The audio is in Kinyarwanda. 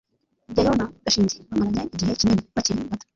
rugeyo na gashinzi bamaranye igihe kinini bakiri bato